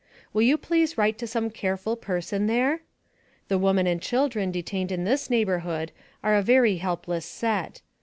Will you please write to some careful person there? The woman and children detained in this neighborhood are a very helpless set.